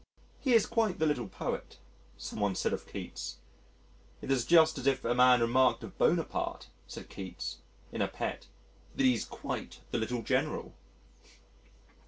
"He is quite the little poet," some one said of Keats. "It is just as if a man remarked of Buonaparte," said Keats, in a pet, "that he's quite the little general."